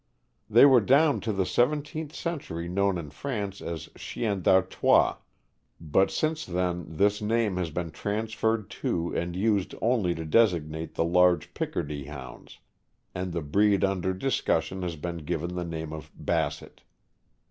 They were down to the seventeenth century known in France as Chiens d'Artois, but since then this name has been transferred to and used only to designate the large Picardy Hounds, and the breed under discussion has been given the name of Basset.